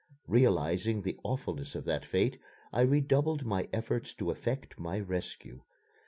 Realizing the awfulness of that fate, I redoubled my efforts to effect my rescue.